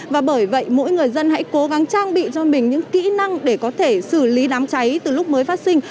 và bởi vậy mỗi người dân hãy cố gắng trang bị cho mình những kỹ năng để có thể xử lý đám cháy từ lúc mới phát sinh